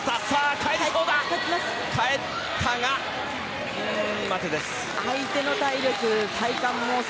返ったが待てです。